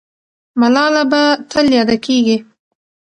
ملاله به تل یاده کېږي.